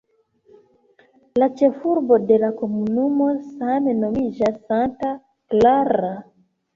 La ĉefurbo de la komunumo same nomiĝas "Santa Clara".